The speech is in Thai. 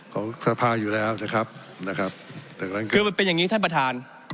ของสภาอยู่แล้วนะครับนะครับดังนั้นคือมันเป็นอย่างงี้ท่านประธาน